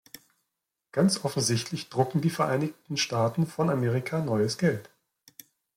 Ganz offensichtlich drucken die Vereinigten Staaten von Amerika neues Geld.